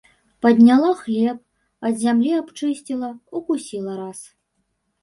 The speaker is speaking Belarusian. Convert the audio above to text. Падняла хлеб, ад зямлі абчысціла, укусіла раз.